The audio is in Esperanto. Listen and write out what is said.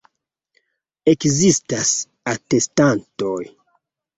Ekzistas atestantoj.